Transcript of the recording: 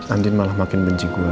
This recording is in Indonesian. andin malah makin benci gue